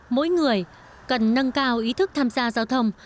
mỗi người cần nâng cao ý thức tham gia giao thông